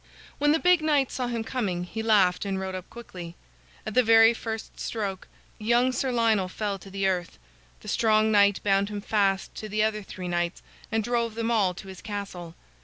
When the big knight saw him coming, he laughed and rode up quickly. At the very first stroke, young Sir Lionel fell to the earth. The strong knight bound him fast to the other three knights and drove them all to his castle.